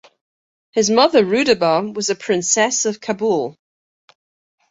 His mother Rudaba was a princess of Kabul.